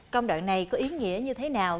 công đoạn này có ý nghĩa như thế nào